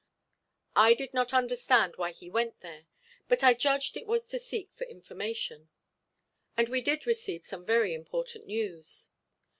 I did not understand why he went there, but I judged it was to seek for information; and we did receive some very important news.